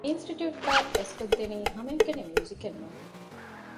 މި އިންސްޓިޓިއުޓުގައި ދަސްކޮށްދެނީ ހަމައެކަނި މިއުޒިކެއް ނޫން